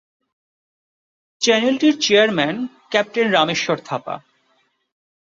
চ্যানেলটির chairman captain Rameshwar Thapa.